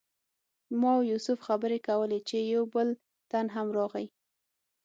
ما او یوسف خبرې کولې چې یو بل تن هم راغی.